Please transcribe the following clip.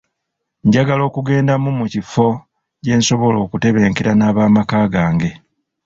Njagala okugenda mu mu kifo gye nsobola okutebenkera n'abaamaka gange.